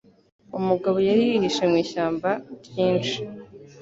Umugabo yari yihishe mu ishyamba ryinshi.